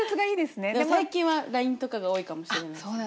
でも最近はＬＩＮＥとかが多いかもしれないですね。